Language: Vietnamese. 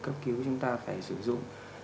cấp cứu chúng ta phải sử dụng